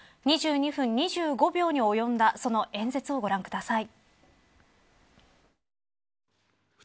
２２分２５秒に及んだその演説をご覧ください。